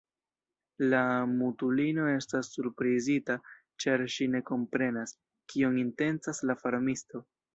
La mutulino estas surprizita, ĉar ŝi ne komprenas, kion intencas la farmisto.